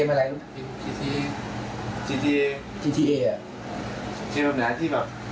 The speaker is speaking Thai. ไปต่อที่ได้จัดสิทธิ์